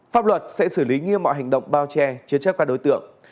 pháp luật sẽ xử lý nghiêm mọi hành động bao che chiến trách các đối tượng